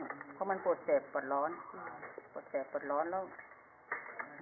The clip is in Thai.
เพราะมันปวดเสพปวดร้อนปวดเสพปวดร้อนแล้ว